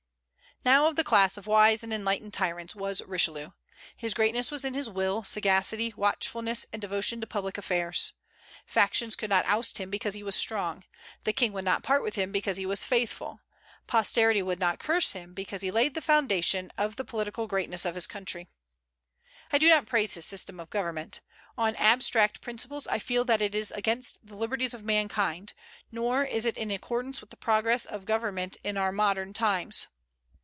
Now of the class of wise and enlightened tyrants was Richelieu. His greatness was in his will, sagacity, watchfulness, and devotion to public affairs. Factions could not oust him, because he was strong; the King would not part with him, because he was faithful; posterity will not curse him, because he laid the foundation of the political greatness of his country. I do not praise his system of government. On abstract principles I feel that it is against the liberties of mankind; nor is it in accordance with the progress of government in our modern times.